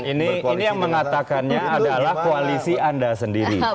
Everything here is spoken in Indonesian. ini yang mengatakannya adalah koalisi anda sendiri